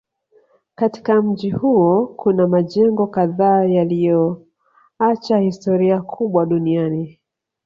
Katika mji huo kuna majengo kadhaa yaliyoacha historia kubwa duniani